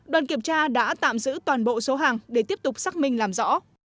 đoàn kiểm tra đã tạm giữ toàn bộ số hàng để tiếp tục xác minh làm rõ